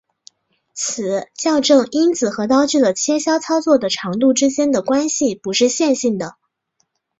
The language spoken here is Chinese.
此校正因子和刀具的切削操作的长度之间的关系不是线性的。